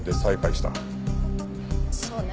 そうね。